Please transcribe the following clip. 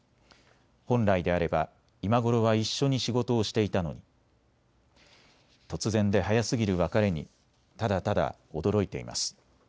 本来であれば今頃は一緒に仕事をしていたのに突然で早すぎる別れにただただ驚いています。